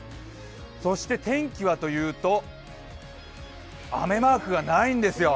そして天気はというと雨マークがないんですよ。